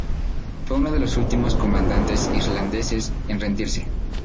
Fue uno de los últimos comandantes irlandeses en rendirse.